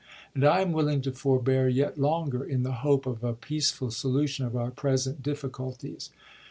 And I am willing to forbear yet longer in the hope of a peaceful solution of our present difficulties."